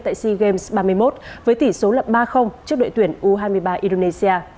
tại sea games ba mươi một với tỷ số là ba trước đội tuyển u hai mươi ba indonesia